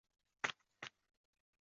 防护装甲与巡洋舰相当。